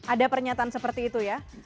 ada pernyataan seperti itu ya